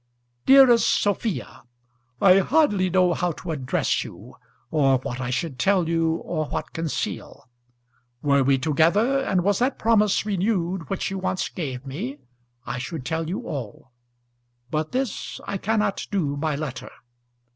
DEAREST SOPHIA, I hardly know how to address you; or what I should tell you or what conceal. Were we together, and was that promise renewed which you once gave me, I should tell you all; but this I cannot do by letter.